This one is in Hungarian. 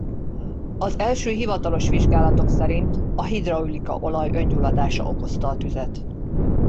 Az első hivatalos vizsgálatok szerint a hidraulika olaj öngyulladása okozta a tüzet.